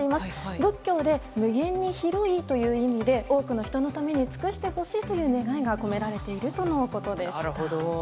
仏教で、無限に広いという意味で多くの人のために尽くしてほしいという願いが込められているとのことでした。